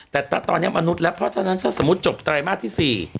แต่ตอนนี้มนุษย์แล้วเพราะฉะนั้นถ้าสมมุติจบไตรมาสที่๔